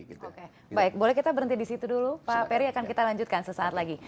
oke baik boleh kita berhenti di situ dulu pak peri akan kita lanjutkan sesaat lagi